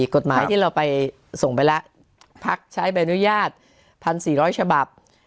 กฎหมายที่เราไปส่งไปแล้วพักใช้ใบอนุญาต๑๔๐๐ฉบับ